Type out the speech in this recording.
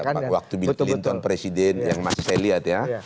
pak waktu bill clinton presiden yang masih saya lihat ya